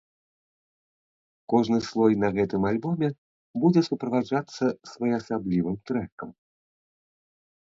Кожны слой на гэтым альбоме будзе суправаджацца своеасаблівым трэкам.